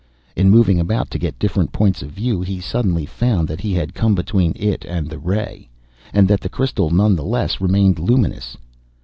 In moving about to get different points of view, he suddenly found that he had come between it and the ray, and that the crystal none the less remained luminous.